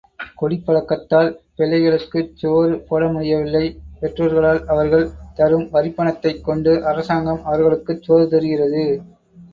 குடிப்பழக்கத்தால் பிள்ளைகளுக்குச் சோறு போடமுடியவில்லை பெற்றோர்களால் அவர்கள் தரும் வரிப்பணத்தைக் கொண்டு அரசாங்கம் அவர்களுக்குச் சோறு தருகிறது.